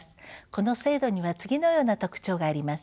この制度には次のような特徴があります。